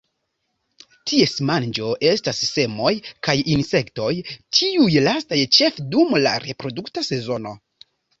Ties manĝo estas semoj kaj insektoj, tiuj lastaj ĉefe dum la reprodukta sezono.